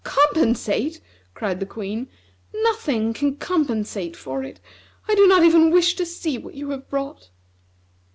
"Compensate!" cried the Queen. "Nothing can compensate for it; I do not even wish to see what you have brought."